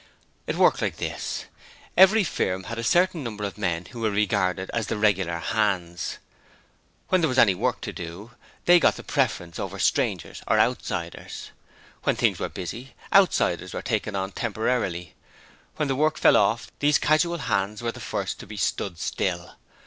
It worked like this: Every firm had a certain number of men who were regarded as the regular hands. When there was any work to do, they got the preference over strangers or outsiders. When things were busy, outsiders were taken on temporarily. When the work fell off, these casual hands were the first to be 'stood still'.